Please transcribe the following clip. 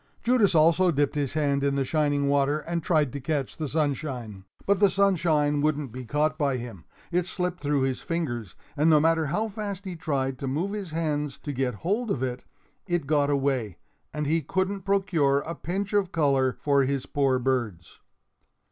Judas also dipped his hand in the shining water and tried to catch the sunshine. But the sunshine wouldn't be caught by him. It slipped through his fingers; and no matter how fast he tried to move his hands to get hold of it, it got away, and he couldn't procure a pinch of color for his poor birds.